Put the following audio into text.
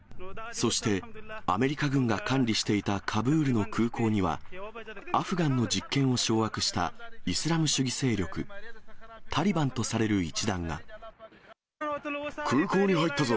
そして、アメリカ軍が管理していたカブールの空港には、アフガンの実権を掌握したイスラム主義勢力タリバンとされる一団空港に入ったぞ。